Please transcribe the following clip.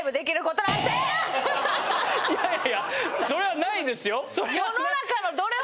いやいやそれはないですよ。